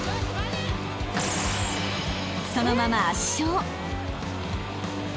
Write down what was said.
［そのまま圧勝］